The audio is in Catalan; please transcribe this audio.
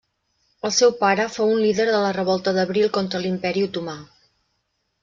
El seu pare fou un líder de la revolta d'abril contra l'Imperi Otomà.